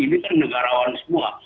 ini kan negarawan semua